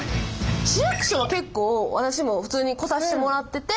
市役所は結構私も普通に来させてもらってて。